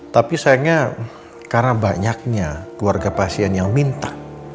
tapi sayangnya karena banyaknya keluarga pasien yang minta